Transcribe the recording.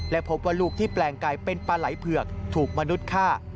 และพบว่าลูกที่แปลงไก่เป็นปลาไหล่เผือกถูกมนุษย์ฆ่า